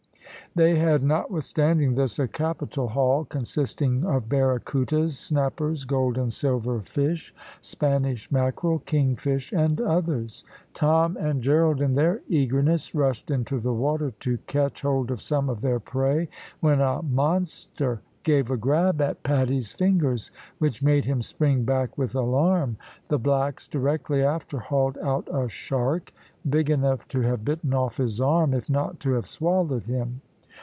They had, notwithstanding this, a capital haul, consisting of baracoutas, snappers, gold and silver fish, Spanish mackerel, king fish, and others. Tom and Gerald, in their eagerness, rushed into the water to catch hold of some of their prey, when a monster gave a grab at Paddy's fingers, which made him spring back with alarm. The blacks directly after hauled out a shark big enough to have bitten off his arm, if not to have swallowed him.